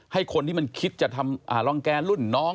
ให้คนที่มันคิดจะทำรังแก่รุ่นน้อง